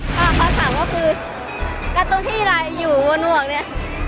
คำถามก็คือการ์ตูที่ไลน์อยู่บนห่วงเนี่ย